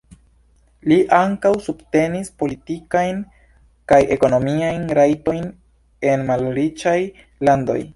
Li ankaŭ subtenis politikajn kaj ekonomiajn rajtojn en malriĉaj landoj.